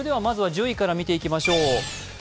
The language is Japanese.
まずは１０位から見ていきましょう。